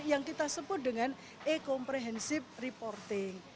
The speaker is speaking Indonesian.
yang kita sebut dengan e comprehensive reporting